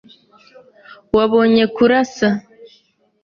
Wabonye kurasa.